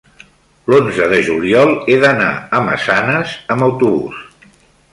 l'onze de juliol he d'anar a Massanes amb autobús.